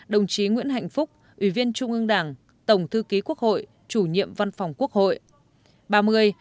hai mươi chín đồng chí nguyễn hạnh phúc ủy viên trung ương đảng tổng thư ký quốc hội chủ nhiệm văn phòng quốc hội